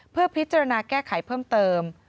เพื่อพิจารณาแก้ไขเพิ่มเติม